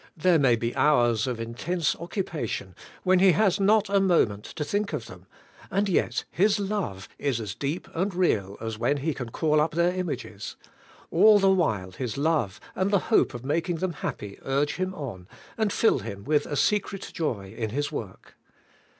There may be hours of in tense occupation when he has not a moment to think EVERY MOMENT, 103 of them, and yet his love is as deep and real as when he can call np their images; all the while his love and the hope of making them happy urge him on, and fill him with a secret joy in his work.